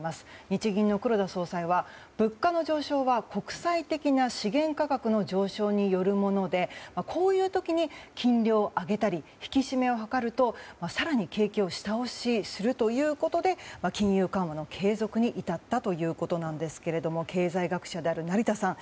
日銀の黒田総裁は、物価の上昇は国際的な資源価格の上昇によるものでこういう時に金利を上げたり引き締めを図ると更に景気を下押しするということで金融緩和の継続に至ったということなんですけれども経済学者である成田さん